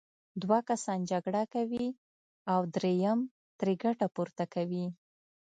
دوه کسان جګړه کوي او دریم ترې ګټه پورته کوي.